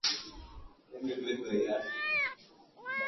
matatizo ya mary stuart yalifanya kuanzisha kwa vita hiyo